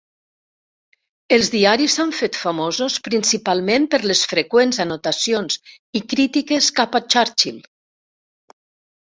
Els diaris s'han fet famosos principalment per les freqüents anotacions i crítiques cap a Churchill.